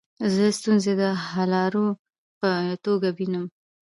زه ستونزي د حللارو په توګه وینم.